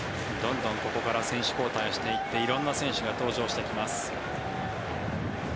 どんどんここから選手交代していって色んな選手が登場してきます。